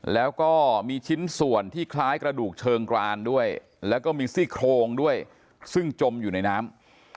แล้วก็มีชิ้นส่วนที่คล้ายกระดูกเชิงกรานด้วยแล้วก็มีซี่โครงด้วยซึ่งจมอยู่ในน้ำ